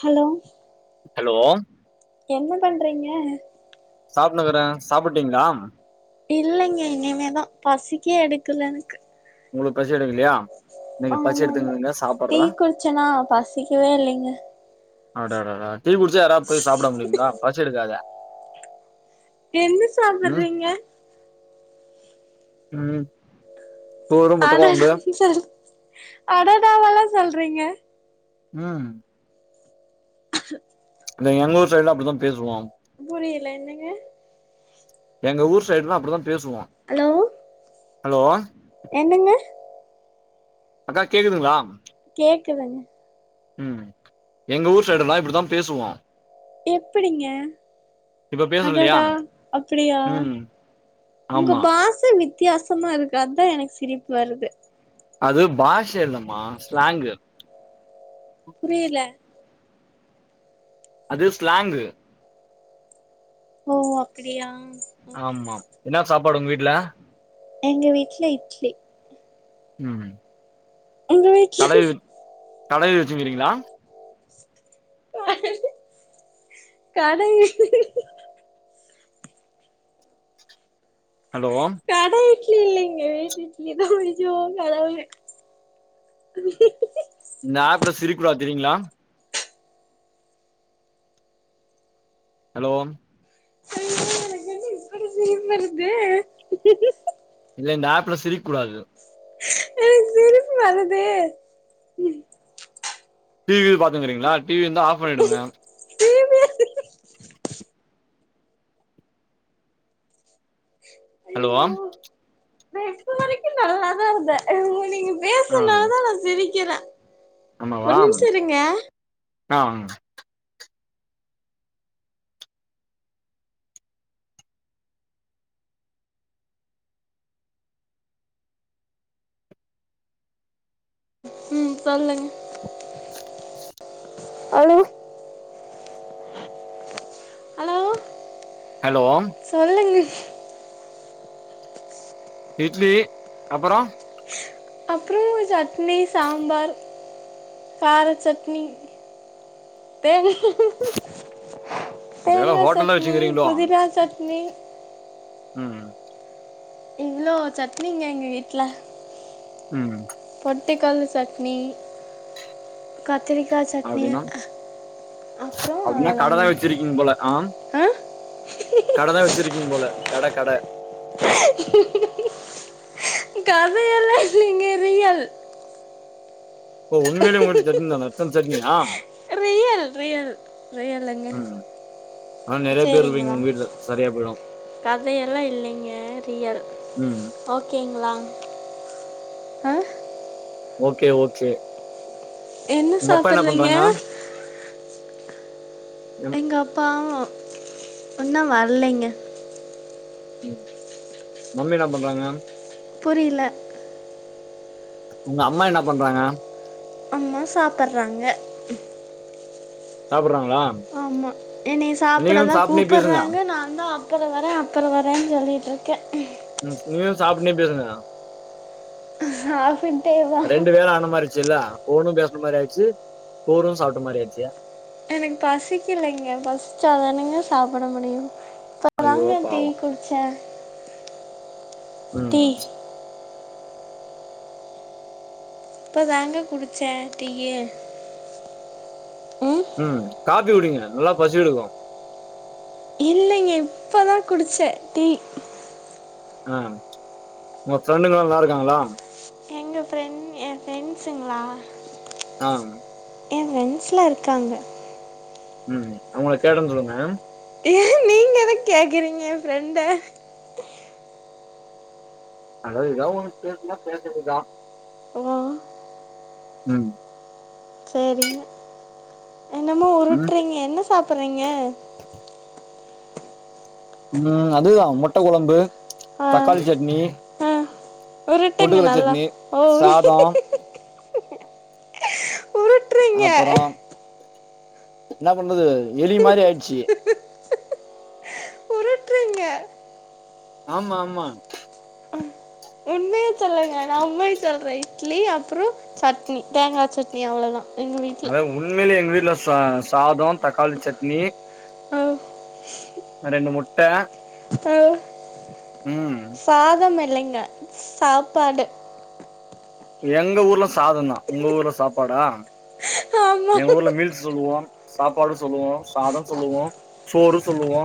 Hello hello என்ன பண்றீங்க சாப்னுகறே சாப்பிட்டீங்ளா இல்லங்கே இனிமேதா பசிக்கே எடுக்கல எனக்கு உங்ளுக் பசி எடுக்குலியா ஆமாங்க டீ குடிச்சனா பசிக்கவே இல்லிங்க அடாடாடா டீ குடிச்சா யாராப் போய் சாப்ட முடியுங்ளா பசி எடுக்காதே என்ன ம் சாப்பிர்றீங்க ம் சோறு முட்ட அடடா கொழம்பு சொல் அடடாவெல்லா சொல்றீங்க ம் ஷ் இல்ல எங்க ஊர் சைட்ல அப்டிதா பேசுவோ புரியல என்னங்க எங்க ஊர் சைட்ல அப்டிதா பேசுவோ. ஹலோ ஹலோ என்னங்க அக்கா கேக்குதுங்ளா கேக்குதுங்க ம் எங்க ஊர் சைடு எல்லா இப்டிதா பேசுவோ எப்பிடிங்க இப்ப பேசுறோ இல்லையா அடடா அப்டியா ம் உங்க ஆமா பாச வித் த்தியாசமா இருக்கு அத்தா எனக் சிரிப்பு வருது அது பாஷ இல்லமா ஸ்லேங்கு புரியல அது ஸ்லேங்கு ஓ அப்பிடியா ஆமா என்ன சாப்பாடு உங்க வீட்ல எங்க வீட்ல இட்லி ம் உங்க வீட்ல கடைவின் கடைவி வச்சுகிறீங்ளா கடைவி ஹலோ கடை இட்லி இல்லிங்க வீட்டு இட்லிதா அய்யோ கடவுளே இந்த ஆப்ல சிரிக் கூடாது தெரியுங்ளா ஹலோ அய்யோ எனக் என்ன இப்பிடி சிரிப் வருதே இல்ல இந்த ஆப்ல சிரிக் கூடாது எனக் சிரிப்பு வருதே டி வி கீது பாத்துனுகுறீங்ளா டி வி வந்து ஆஃப் பண்ணிடுங்க டி விய ஹலோ ஐயோ நா இப்ப வரைக்கு நல்லாதா இருந்த ம் நீங்க ஆ பேசுனாதா நா சிரிக்கிற ஆமாவா, ஆ ம் சொல்லுங்க ஹலோ ஹலோ ஹலோ சொல்லுங்க இட்லி அப்பறோ அப்பறோ சட்னி, சாம்பார், கார சட்னி தேங் ஒருவேள தேங்கா ஹோட்டல்லா சட்னி, வச்சுக்கிறீங்களோ புதினா சட்னி ம், ம் இவ்ளோ சட்னிங்க எங்க வீட்ல ம் பொட்டுக்கல்ல சட்னி கத்திரிக்கா சட்னி அப்டின்னா அப்றோ அப்டின்னா கடதா அவ்ளோதாங்க வச்சிருக்கீங்க போல ஆ ஆ கடதா வச்சிருக்கீங்க போல கட கட கதையல்ல இல்லிங்க ரியல் ஓ, உண்மையிலே உங்க வீட்ல சட்னிதானா இத்தன சட்னியா, ரியல் ரியல் ரியலுங்க ம் ஆனா நிறைய பேரு இருப்பீங்க உங்க வீட்ல சரியா போயிடு கதையெல்லா இல்லிங்க ரியல் ம் ஓகேங்களா, ஆ ஓகே ஓகே என்ன உங்க அப்பா என்ன சாப்புட்றீங்க பண்றாங்க ம் எங்க அப்பா இன்னு வரலைங்க ம், மம்மி என்ன பண்றாங்க புரில உங்க அம்மா என்ன பண்றாங்க அம்மா சாப்பிட்றாங்க சாப்ட்றாங்களா? ஆமா, என்னைய சாப்டதா பேசுங்க கூப்புட்றாங்க நான்தா அப் பற வரே அப்பற வரேன்னு சொல்லிட்டு இருக்கே ம், நீங்களு சாப்ட்டுனே பேசுங்க சாப்பிட்டே வா ரெண்டு வேல ஆன மாரியா ச்சில்ல ஃபோனு பேசின மாரி ஆயிடிச்சு சோறு சாப்பிட்ட மாரி ஆயிடுச்சு எனக்கு பசிக்கலைங்க பசிச்சாதானங்க சாப்ட முடியு ஐயோ இப்பதாங்க டீ பாவோ குடிச்சே ம் இப்பதாங்க குடிச்சே டீய்யி, ம் ம் காப்பி குடிங்க நல்லா பசி எடுக்கு இல்லைங்க இப்பதா குடிச்சே, டீ ஆ, உங்க ஃப்ரெண்டுங்க எல்லா நல்லா இருக்காங்ளா எங்க ஃப்ரெண்ட் எ ஃப்ரெண்ட்ஸ்ங்களா அம் எ ஃபிரண்ட்ஸ்லா இருக்காங்க ம் அவுங்கள கேட்டன் சொல்லுங்க நீங்க எதுக்கு கேக்குறீங்க எ ஃபிரெண்ட அதாது எதா ஒன்னு பேசுனா பேசறதுதா அ ம் சரிங்க என்னமோ ம் உருட்டுறீங்க என்ன சாப்பிறீங்க ம் அதுதா மொட்ட கொழம்பு ஆ தக்காளி சட்னி ஆ உருட்டுங்க பொட்டுக்கல்ல நல்லா சட்னி ஒ உருட் சாதோ அப்பற என்ன பண்றது எலி மாரி ஆயிடுச்சி உருட்றீங்க ஆமா ஆமா உண்மைய சொல்லுங்க நா உண்மைய சொல்ற இட்லி அப்பற சட்னி தேங்கா சட்னி அவ்ளதா எங்க வீட்ல உண்மையில எங்க வீட்ல சா சாதோ தக்காளி சட்னி ஓ ரெண்டு முட்ட ஆ ம் சாதம் இல்லைங்க சாப்பாடு எங்க ஊர்ல சாதந்தா உங்க ஊர்ல சாப்பாடா எங்க ஆமாம் ஊர்ல மீல் சொல்லுவோ சாப்பாடு சொல்லுவோ சாத சொல்லுவோ சோறு சொல்லுவோ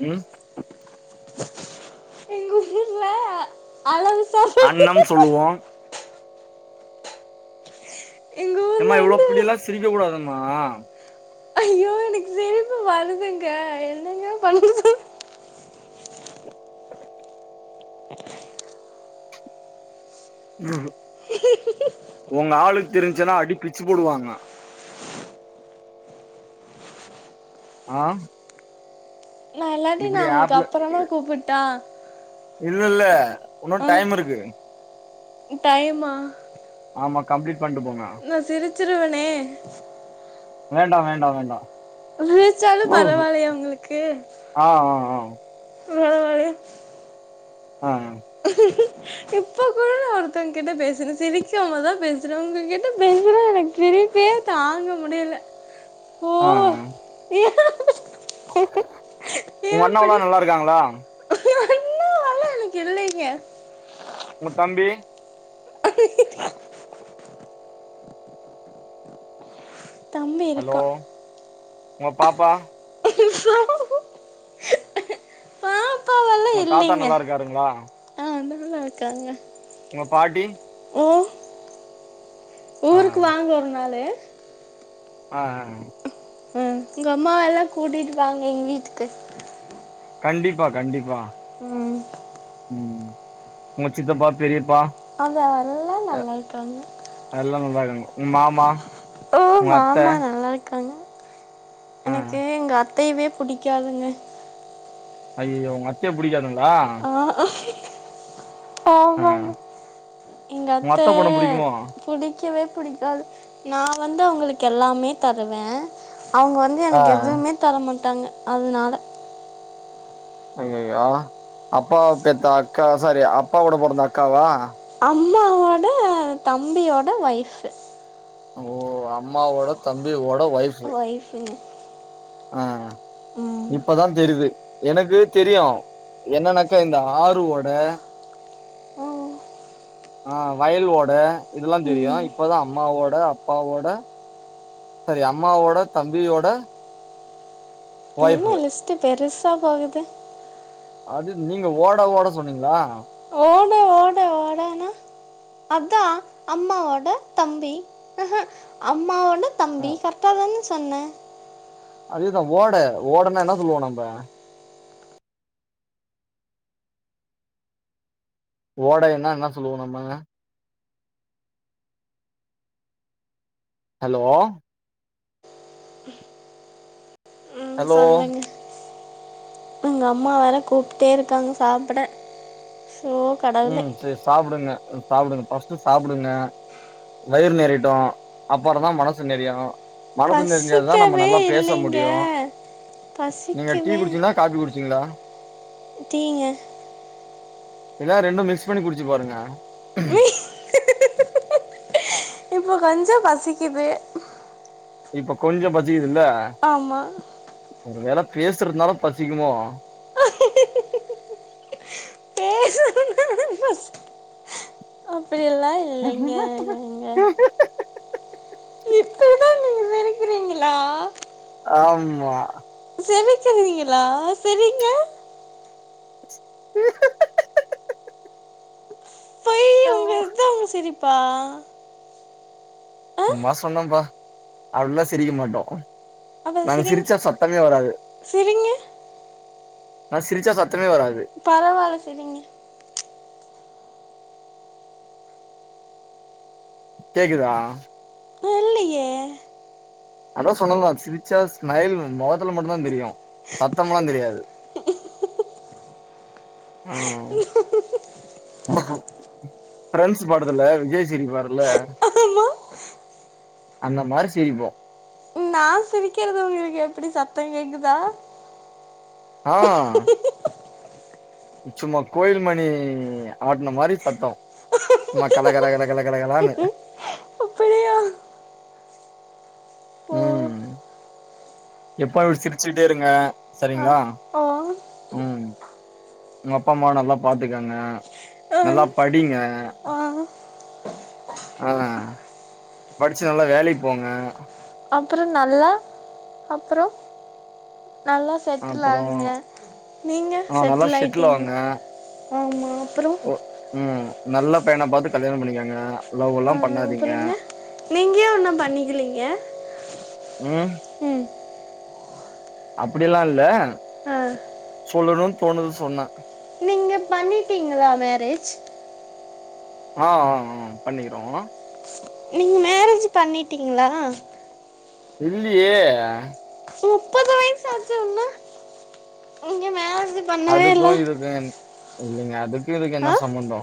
ம் எங்க ஊர்ல அளவு சாப் அன்னம் சொல்லுவோ எங்கள் ஏம்மா ஊரில் இவ்ள வந்து இப்டிலா சிரிக்க கூடாதும்மா ஐயோ எனக்கு சிரிப்பு வருதுங்க என்னங்க பண்சொ ஒங்க ஆளுக்கு தெரிஞ்சினா அடி பிச்சி புடுவாங்க ஆ நா இல்லாட்டி நா இப்டி உங்களுக்கு ஆப்ல அப்பறமா கூப்பிட்டா இல்ல இல்ல உன்னு ஆ டைம் இருக்கு டைமா ஆமா கம்ப்ளீட் பண்ட்டு போங்க நா சிரிச்சிருவனே வேண்டா வேண்டா வேண்டா சிரிச்சாலு பரவால்லையா உங்களுக்கு ஆ ஆ ஆ அ அ இப்ப கூட நா ஒருத்தவங்க கிட்ட பேசுன சிரிக்காம தா பேசின உங்க கிட்ட பேசுன எனக்கு சிரிப்பே தாங்க முடியல ஓ ஒங்க ஏன் அண்ணவோலா இப்படி நல்லாருக்காங்களா அண்ணாவால [unintelligible] உங்க தம்பி தம்பி ஹலோ இருக்கான் உங்க பாப்பா பாப்பாவெல்லாம் உங்க தாத்தா இல்லைங்க நல்லாருக்காருங்ளா ஆ நல்லா இருக்காங்க உங்க பாட்டி ஓ ஆ ஊருக்கு வாங்க ஒரு நாளு ஆ ஆ அ உங்க அம்மா எல்லா கூட்டிட்டி வாங்க எங்க வீட்டுக்கு கண்டிப்பா கண்டிப்பா ம் ம் உங்க சித்தப்பா பெரியப்பா அங்க எல்லா நல்லாருக்காங்க எல்லா நல்லாருக்காங்க உங் மாமா ஓ உங்க அத்த மாமா நல்லாருக்காங்க ஆ எனக்கு எங்க அத் அத்தையவே புடிக்காதுங்க அய்யயோ உங்க அத்தைய புடிக்காதுங்களா ஆ ஆமாங்க எங்க உங்க அத்த பொண்ண புடிக்குமோ புடிக்கவே புடிக்காது நா வந்து அவுங்களுக்கு எல்லாமே தருவே அவுங்க வந்து த ஆ எனக்கு எதுமே தர மாட்டாங்க அதனால அய்யயோ அப்பாவ பெத்த அக்கா சாரி அப்பாவோட பொறந்த அக்காவா அம்மாவோட தம்பியோட ஒய்ஃபு ஓ, அம்மாவோட தம்பியோட ஒய்ஃப் ஒய்ஃபு ஆ இப்பதா தெரிது எனக்கு தெரியு என்னனாக்கா இந்த ஆறுவோட ம் ஆ வயல் ஓட இதெல்லா தெரியு ம். இப்பதா அம்மாவோட அப்பாவோட சாரி அம்மாவோட தம்பியோட ஒய்ஃப் என்ன லிஸ்ட்டு பெருசா போகுது அது நீங்க ஓட ஓட சொன்னீங்ளா ஓட ஓட ஓடனா அதா அம்மாவோட தம்பி அ ஹ அம்மாவோ அதா ஆ தம்பி கரெட்டா தான சொன்னே அதேதா ஓட ஓடனா என்ன சொல்லுவோ நம்ப ஓடைன்னா என்ன சொல்லுவோ நம்ம ஹலோ ம் ஹலோ சொல்லுங்க எங்க அம்மா வேற கூப்ட்டே இருக்காங்க சாப்டசோ ம் சேரி சாப்டுங்க சாப்டுங்க ஃபஸ்ட்டு சாப்டுங்க வயிறு நெறையட்டு அப்பறந்தா மனசு நெறையு மனசு நெறைஞ்சா தா நம்ம பசிக்கவே நல்லா பேச இல்லைங்க முடியு நீங்க டீ பசிக்கவே குடிச்சி தா காப்பி குடுச்சீங்ளா? டீ ங்க இல்லனா ரெண்டு மிக்ஸ் பண்ணி குடுச்சு பாருங்க. இப்போ கொஞ்சோ பசிக்குது. இப்ப கொஞ்சோ பசிக்குதுல்ல ஆமா. ஒருவேள பேசுறதுனால பசிக்குமோ [unintelligible] பேசுறதுனால பசி அப்டியல்லா இல் [unintelligible] இப்பதா நீங்க நெனைக்கிறீங்களா ஆமா சிரிச்சறிங்களா சிரிங்க. [unintelligible] போய் ஹலோ உங்க இதுதா உங்க சிரிப்பா ஆ சும்மா சொன்னோம்ப்பா. அப்டிலா சிரிக்க மாட்டோ அப்ப நாங்க சிரிங்க சிரிச்சா சத்தமே வராது சிரிங்க நா சிரிச்சா சத்தமே வராது. பரவால்ல சிரிங்க கேக்குதா இல்லயே அதா சொன்னேன்ல. சிரிச்சா ஸ்மைல் மொகத்துல மட்டுந்தா தெரியு சத்தம்ல்லா தெரியாது [unintelligible] ஃபிரெண்ட்ஸ் படத்துல விஜய் சிரிப்பாருல. ஆமா அந்த மாரி சிரிப்போ. நா சிரிக்கறது உங்களுக்கு எப்டி சத்தோ கேக்குதா ஆ சும்மா கோயில்மணி ஆட்ன மாரி சத்தோ சும்மா கல கல கல கல கல கலானு அப்பிடியா ம் எப்பாவு சிரிச்சுட்டே இருங்க ஆ சரிங்ளா ஓ ம் ஒங்க அப்பா அம்மாவ நல்லா பாத்துக்கங்க ஆ நல்லா படிங்க ஆ ஆ படுச்சு நல்லா வேலைக் போங்க அப்பறோ நல்லா அப்பறோ நல்லா செட்டில் அப்புறோ ஆகுங்க நீங்க ஆ நல்லா செட்டில் ஆயிட்டிங்ளா ஆவுங்க ஆமா அப்பறோ ம் நல்ல பையனா பாத்து கல்யாணொ பண்ணிக்கங்க லவ்வல்லா அ அப்பறங்க நீங்க ஏ வுன்னோ பண்ணிக்கலீங்க ம் ம் அப்புடியல்லா இல்ல ஆ சொல்லணுனு தோணுது சொன்னே நீங்க பண்ணீட்டீங்களா மேரேஜ் ஆ ஆ ஆ பண்ணிக்கிறோ நீங்க மேரேஜ் பண்ணீட்டீங்ளா இல்லியே முப்பது வயசாச்சு வுன்னு நீங்க மேரேஜு அதுக்கும் இதுக்கு ன் யில்லைங்க அதுக்கு யிதுக்கும் யென்ன ஆ சம்மந்தோ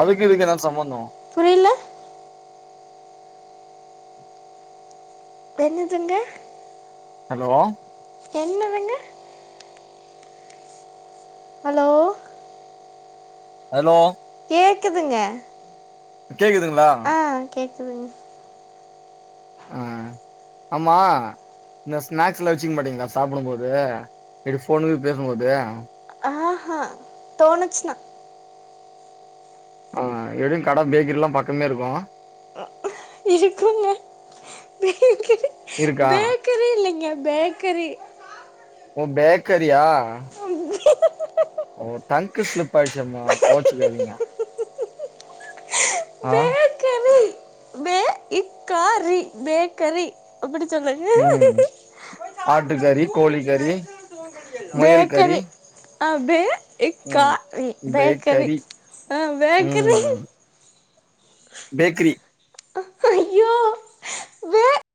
அதுக்கு யிதுக்கு யென்ன சம்மந்தோ புரில என்னதுங்க ஹலோ என்னதுங்க ஹலோ ஹலோ கேக்குதுங்க கேக்குதுங்களா ஆ கேக்குதுங்க ஆ ஆமா இந்த ஸ்நாக்ஸ்லா வச்சிக்க மாட்டீங்களா சாப்டும்போது இது ஃபோனு பேசும்போது ஆ ஹா தோனிச்சினா ஆ எப்டியும் கட பேக்கரில்லாம் பக்கமேருக்கும் இருக்குங்க பேக்கிரி இருக்கா பேக்கிரி இல்லைங்க பேக்கரி ஓ பேக்கரியா ஆம் ஓ டங்க்கு ஸ்லிப்பாயிடுச்சும்மா கோச்சுகாதிங்க ஆ பேக்கரி பே இக்காரி பேக்கரி அப்டி சொல்லுங்க ம் ஆட்டுக்கறி கோழிக்கறி முயல் கறி பேக்கரி அ பே க் கா ம் ரி பேக்கரி ஆ பேக்கரி பேக்கிரி ஐயோ பேக்